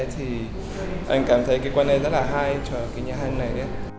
thì anh cảm thấy cái quan hệ rất là hay cho cái nhà hàng này